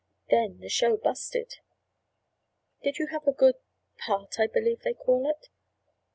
Then the show 'busted'!" "Did you have a good—part I believe they call it?"